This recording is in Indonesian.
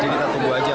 jadi kita tunggu aja